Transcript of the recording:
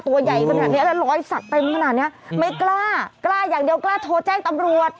ตัวใหญ่ขนาดนี้แล้วรอยสักเต็มขนาดเนี้ยไม่กล้ากล้าอย่างเดียวกล้าโทรแจ้งตำรวจ